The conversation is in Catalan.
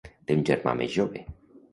Té un germà més jove.